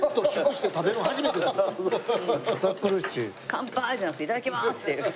「乾杯」じゃなくて「いただきます」っていう。